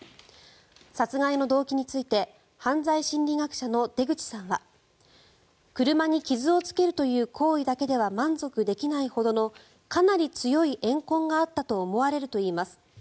殺害の動機について犯罪心理学者の出口さんは車に傷をつけるという行為だけでは満足できないほどのかなり強いえん恨があったと思われるといいます。